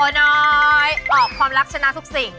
น้อยออกความรักชนะทุกสิ่ง